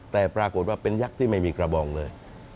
แต่ปรากฏว่าเป็นยักษ์ที่ไม่มีกระบองเลย